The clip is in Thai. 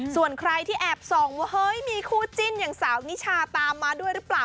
ส่วนใครที่แอบส่องว่าเฮ้ยมีคู่จิ้นอย่างสาวนิชาตามมาด้วยหรือเปล่า